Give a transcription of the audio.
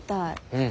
うん。